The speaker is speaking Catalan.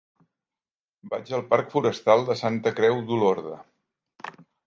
Vaig al parc Forestal de Santa Creu d'Olorda.